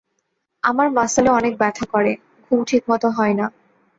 আমার মাসলে অনেক ব্যথা করে, ঘুম ঠিকমত হয় না।